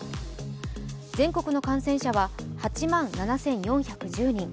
全国の感染者は８万７４１０人。